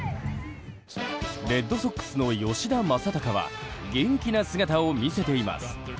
レッドソックスの吉田正尚は元気な姿を見せています。